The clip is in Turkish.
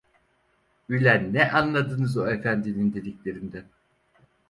Ülen, ne anladınız o efendinin dediklerinden?